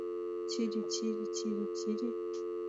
Тири-тири, тири-тири